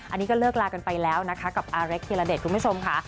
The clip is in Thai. อันนี้ก็เลิกลากันไปแล้วนะคะกับอาเล็กธิระเดชคุณผู้ชมค่ะ